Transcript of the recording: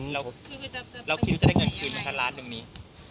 เราคิดว่าจะได้เงินคืนหรอกคะล้านตรงนี้